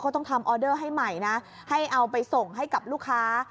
ต้องทำออเดอร์ให้ใหม่นะให้เอาไปส่งให้กับลูกค้า